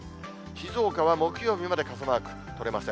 静岡は木曜日まで傘マーク取れません。